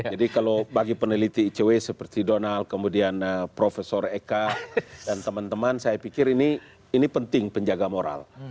jadi kalau bagi peneliti icw seperti donald kemudian profesor eka dan teman teman saya pikir ini penting penjaga moral